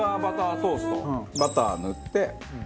バター塗って砂糖